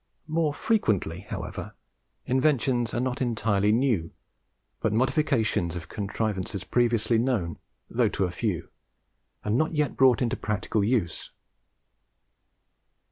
More frequently, however, inventions are not entirely new, but modifications of contrivances previously known, though to a few, and not yet brought into practical use.